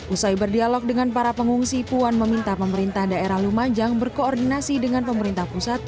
usai berdialog dengan para pengungsi puan meminta pemerintah daerah lumajang berkoordinasi dengan pemerintah pusat